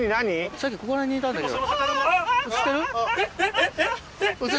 さっきここら辺にいたんだけど。